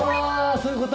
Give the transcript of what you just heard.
そういうこと。